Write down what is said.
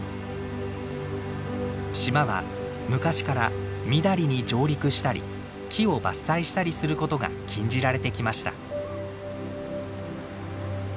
島は昔からみだりに上陸したり木を伐採したりすることが禁じられてきました。